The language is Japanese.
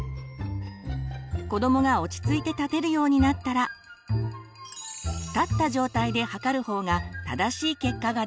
子どもが落ち着いて立てるようになったら立った状態で測る方が正しい結果が出ます。